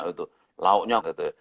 gitu lauknya gitu